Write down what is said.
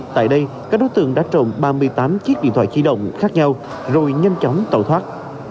tại đây các đối tượng đã trộm ba mươi tám chiếc điện thoại di động khác nhau rồi nhanh chóng tẩu thoát